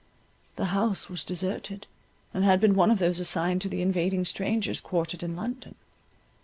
The house was deserted, and had been one of those assigned to the invading strangers quartered in London.